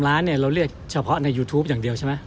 ร้านเนี่ยเราเรียกเฉพาะในยูทูปอย่างเดียวใช่ไหม